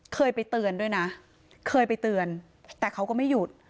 เคยไปเตือนด้วยนะเคยไปเตือนแต่เขาก็ไม่หยุด